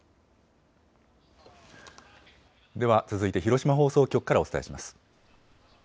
では続いて広島放送局からお伝えします。